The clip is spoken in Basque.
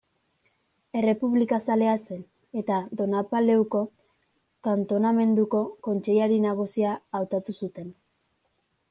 Errepublikazalea zen eta Donapaleuko kantonamenduko kontseilari nagusi hautatu zuten.